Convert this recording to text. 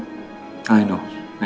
ini jawaban dari doa doa kita semua